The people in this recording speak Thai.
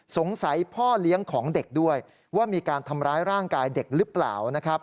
พ่อเลี้ยงของเด็กด้วยว่ามีการทำร้ายร่างกายเด็กหรือเปล่านะครับ